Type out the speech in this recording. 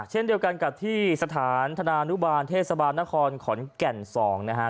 เช่นเดียวกันกับที่สถานธนานุบาลเทศบาลนครขอนแก่น๒นะฮะ